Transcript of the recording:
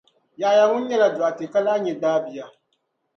Yahaya ŋun nyɛla dɔɣitɛ ka lahi nya daa bia.